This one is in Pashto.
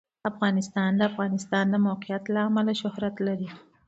افغانستان د د افغانستان د موقعیت له امله شهرت لري.